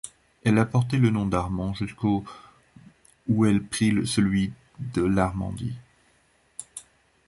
Elle a porté le nom d'Armand jusqu'au où elle prit celui de Larmandie.